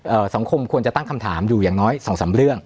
สังคมควรจะตั้งคำถามอยู่อย่างน้อยสองสามเรื่อง